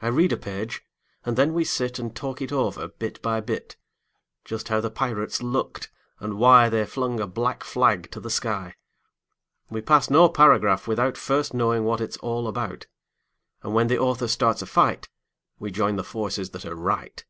I read a page, and then we sit And talk it over, bit by bit; Just how the pirates looked, and why They flung a black flag to the sky. We pass no paragraph without First knowing what it's all about, And when the author starts a fight We join the forces that are right.